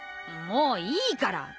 もういいから！